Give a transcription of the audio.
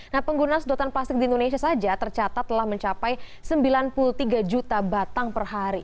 nah pengguna sedotan plastik di indonesia saja tercatat telah mencapai sembilan puluh tiga juta batang per hari